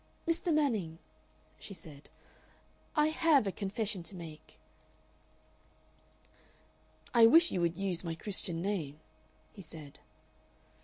"Mr. Manning," she said, "I HAVE a confession to make." "I wish you would use my Christian name," he said.